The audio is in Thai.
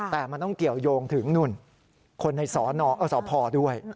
แต่มันต้องเกี่ยวยงถึงนู่นคนในสพด้วย